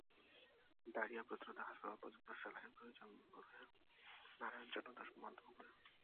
Diarrhoea প্রতিরোধে হাসপাতালে পর্যাপ্ত স্যালাইনের প্রয়োজন বলে নারায়ণ চন্দ্র দাস মন্তব্য করেন।